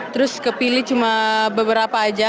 terus kepilih cuma beberapa aja